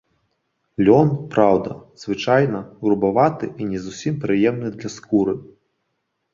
Лён, праўда, звычайна, грубаваты і не зусім прыемны для скуры.